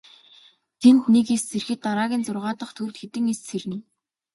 Тэнд нэг эс сэрэхэд дараагийн зургаа дахь төвд хэдэн эс сэрнэ.